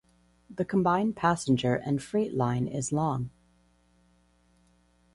The combined passenger and freight line is long.